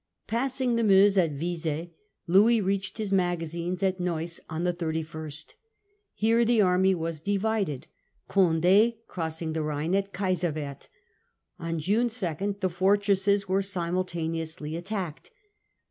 Passing the Meuse at Vise, Louis reached his magazines at Neuss on the 31st. Here the army was divided, Condd crossing the Rhine at Kaiserwerth. On June 2 the fortresses were simultaneously attacked.